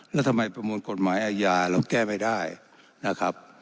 แล้วทำไมประมวลกฎหมายอาญาเราแก้ไม่ได้นะครับ